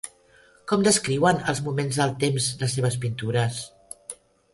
Com descriuen els moments del temps les seves pintures?